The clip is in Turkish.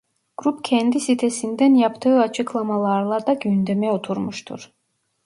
Grup kendi sitesinden yaptığı açıklamalarla da gündeme oturmuştur.